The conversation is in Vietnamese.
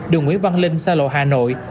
đường nguyễn văn linh xa lộ hà nội